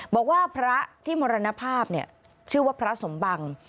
บอกว่าพระที่มรณภาพชื่อว่าพระสมบัง